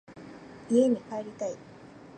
家に帰りたい。